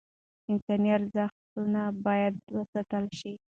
انساني ارزښتونه باید وساتل شي.